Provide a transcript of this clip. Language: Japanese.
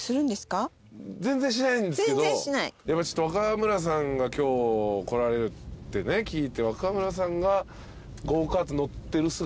全然しないんですけどやっぱちょっと若村さんが今日来られるって聞いて。